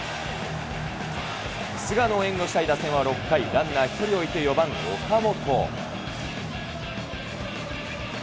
菅野を援護したい打点は６回、ランナー１人を置いて、４番岡本。